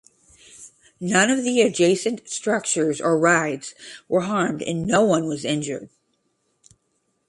None of the adjacent structures or rides were harmed and no one was injured.